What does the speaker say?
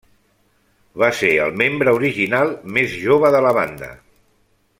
Va ser el membre original més jove de la banda.